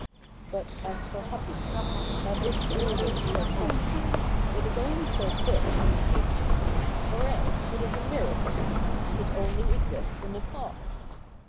But as for happiness, that is always like prophecy, it is only fulfilled in the future : or else it is a miracle — it only exists in the past.